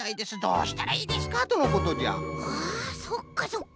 あそっかそっか。